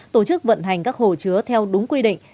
tổ chức vận hành các hồ chứa theo đúng quy định